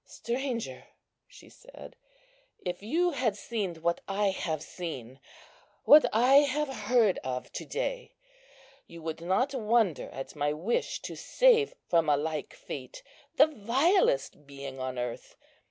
"Stranger," she said, "if you had seen what I have seen, what I have heard of to day, you would not wonder at my wish to save from a like fate the vilest being on earth.